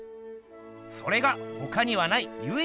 それがほかにはないゆい